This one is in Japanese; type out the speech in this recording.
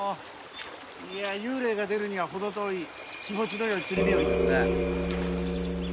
いや幽霊が出るには程遠い気持ちの良い釣り日和ですね。